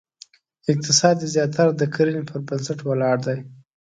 اقتصاد یې زیاتره د کرنې پر بنسټ ولاړ دی.